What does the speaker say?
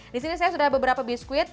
disini saya sudah beberapa biskuit